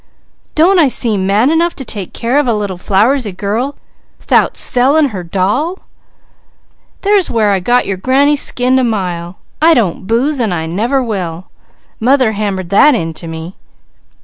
Don't I seem man enough to take care of a little flowersy girl 'thout selling her doll? There's where I got your granny skinned a mile. I don't booze, and I never will. Mother hammered that into me.